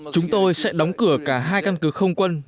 chúng tôi sẽ đóng cửa cả hai căn cứ không quân của mỹ